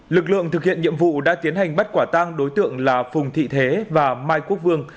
lực lượng thực hiện nhiệm vụ đã tiến hành bắt quả tang đối tượng là phùng thị thế và mai quốc vương